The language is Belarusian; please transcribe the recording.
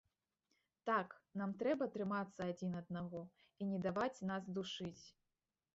Так, нам трэба трымацца адзін аднаго і не даваць нас душыць.